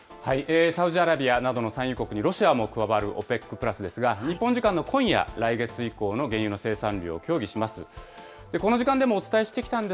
主な産油国で作るＯＰＥＣプラス、サウジアラビアなどの産油国にロシアも加わるＯＰＥＣプラスですが、日本時間の今夜、来月以降の原油の生産量を協議します。